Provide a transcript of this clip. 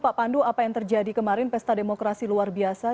pak pandu apa yang terjadi kemarin pesta demokrasi luar biasa